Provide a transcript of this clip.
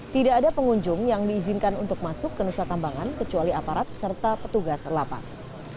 tidak ada pengunjung yang diizinkan untuk masuk ke nusa kambangan kecuali aparat serta petugas lapas